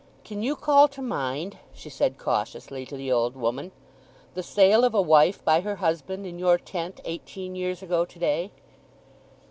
"Can you call to mind," she said cautiously to the old woman, "the sale of a wife by her husband in your tent eighteen years ago to day?"